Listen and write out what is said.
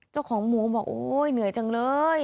เจ้าของหมูบอกโอ๊ยเหนื่อยจังเลย